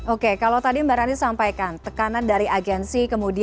oke kalau tadi mbak rani sampaikan tekanan dari agensi kemudian